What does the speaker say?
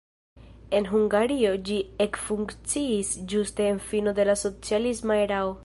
En Hungario ĝi ekfunkciis ĝuste en fino de la socialisma erao.